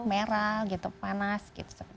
merah gitu panas gitu